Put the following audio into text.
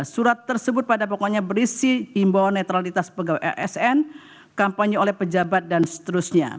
surat tersebut pada pokoknya berisi imbauan netralitas pegawai asn kampanye oleh pejabat dan seterusnya